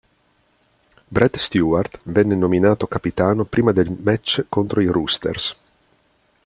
Brett Stewart venne nominato capitano prima del match contro i Roosters.